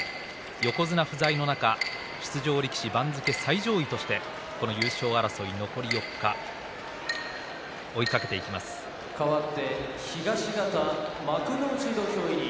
横綱不在の中出場力士番付最上位として優勝争い、残り４日かわって東方幕内土俵入り。